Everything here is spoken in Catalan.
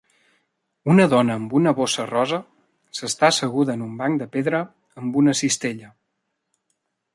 una dona amb una bossa rosa s'està asseguda en un banc de pedra amb una cistella